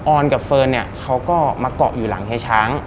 อนกับเฟิร์นเนี่ยเขาก็มาเกาะอยู่หลังเฮช้าง